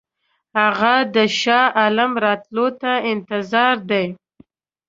هغه د شاه عالم راتلو ته انتظار دی.